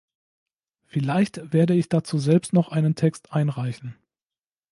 Vielleicht werde ich dazu selbst noch einen Text einreichen.